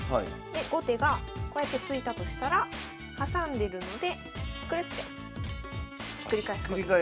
で後手がこうやって突いたとしたら挟んでるのでクルッてひっくり返すことが。